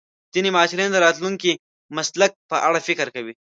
ځینې محصلین د راتلونکي مسلک په اړه فکر کوي.